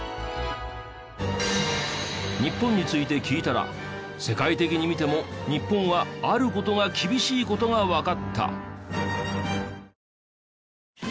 日本について聞いたら世界的に見ても日本はある事が厳しい事がわかった。